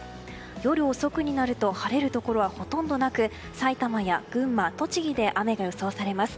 夜遅くになると晴れるところはほとんどなく埼玉や群馬栃木で雨が予想されます。